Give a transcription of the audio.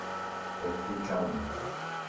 Restez calme.